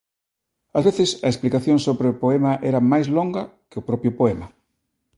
Ás veces a explicación sobre o poema era máis longa que o propio poema.